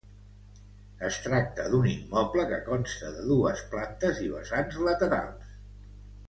Es tracta d'un immoble que consta de dues plantes i vessants a laterals.